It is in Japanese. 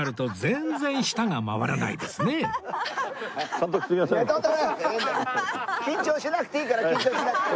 緊張しなくていいから緊張しなくて。